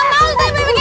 tadi tuan sobri